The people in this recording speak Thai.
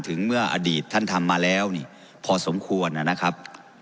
เมื่ออดีตท่านทำมาแล้วนี่พอสมควรนะครับ